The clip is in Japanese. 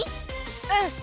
うん。